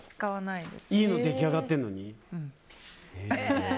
いいの、出来上がってるのに。